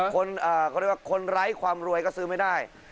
คนเขาเรียกว่าคนไร้ความรวยก็ซื้อไม่ได้